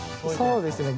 そうですね